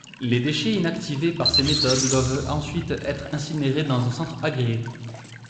Les déchets inactivés par ces méthodes doivent ensuite être incinérés dans un centre agréé.